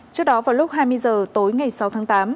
trước đó vào lúc hai mươi h tối ngày sáu tháng tám